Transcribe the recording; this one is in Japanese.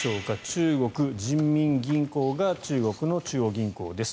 中国人民銀行が中国の中央銀行です。